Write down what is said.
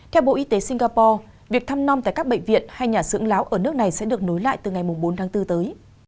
theo bộ y tế singapore việc thăm non tại các bệnh viện hay nhà xưởng láo ở nước này sẽ được nối lại từ ngày bốn tháng bốn tới